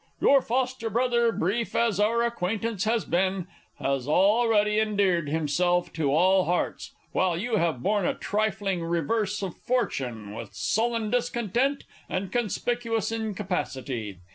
Your foster brother, brief as our acquaintance has been, has already endeared himself to all hearts, while you have borne a trifling reverse of fortune with sullen discontent and conspicuous incapacity.